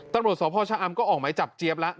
ตำรวจสพชะอำก็ออกหมายจับเจี๊ยบแล้ว